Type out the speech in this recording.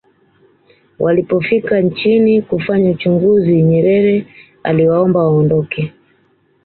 walipofika nchini kufanya uchunguzi nyerere aliwaomba waondoke